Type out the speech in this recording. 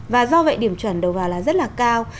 và do vậy điểm chuẩn đầu vào là rất là cao